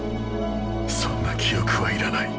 そんな記憶はいらない。